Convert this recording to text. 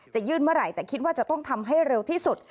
ยื่นเมื่อไหร่แต่คิดว่าจะต้องทำให้เร็วที่สุด